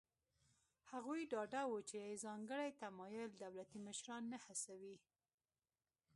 هغوی ډاډه وو چې ځانګړی تمایل دولتي مشران نه هڅوي.